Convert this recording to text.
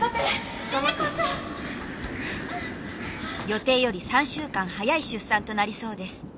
「予定より３週間早い出産となりそうです」